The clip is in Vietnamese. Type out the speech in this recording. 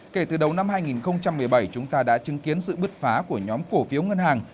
kể từ đầu năm hai nghìn một mươi bảy chúng ta đã chứng kiến sự bứt phá của nhóm cổ phiếu ngân hàng